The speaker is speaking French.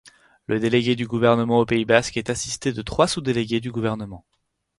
Le délégué du gouvernement au Pays basque est assisté de trois sous-délégués du gouvernement.